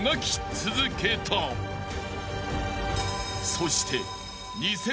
［そして］